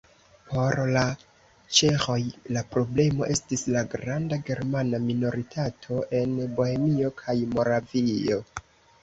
Por la ĉeĥoj la problemo estis la granda germana minoritato en Bohemio kaj Moravio.